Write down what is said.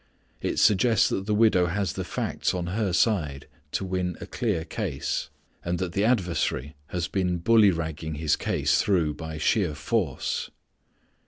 It suggests that the widow has the facts on her side to win a clear case, and that the adversary has been bully ragging his case through by sheer force.